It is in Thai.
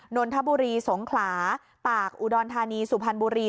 นนทบุรีสงขลาตากอุดรธานีสุพรรณบุรี